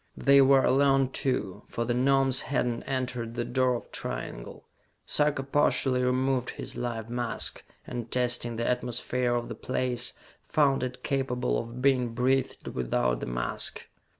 They were alone, too, for the Gnomes had not entered the door of triangle. Sarka partially removed his life mask, and testing the atmosphere of the place, found it capable of being breathed without the mask.